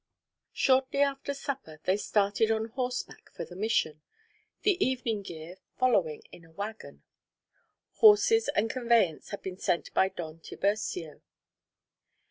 Shortly after supper they started on horseback for the Mission, the evening gear following in a wagon. Horses and conveyance had been sent by Don Tiburcio.